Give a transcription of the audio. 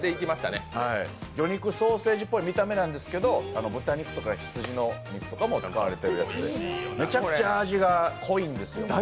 魚肉ソーセージっぽい見た目なんですけど、豚肉とか羊のお肉とかも使われていてめちゃくちゃ味が濃いんですよ。